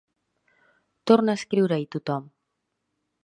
Torna a escriure-hi Tothom.